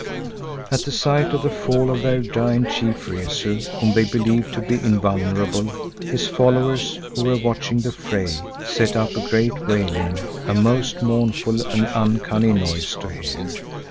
At the sight of the fall of their giant chief Rezu whom they believed to be invulnerable, his followers, who were watching the fray, set up a great wailing, a most mournful and uncanny noise to hear.